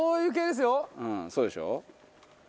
うんそうでしょ？